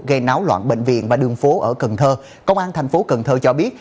gây náo loạn bệnh viện và đường phố ở cần thơ công an thành phố cần thơ cho biết